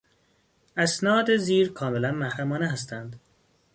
اسناد زیر کاملا محرمانه هستند.